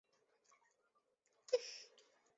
雷兽是奇蹄目下一科已灭绝的哺乳动物。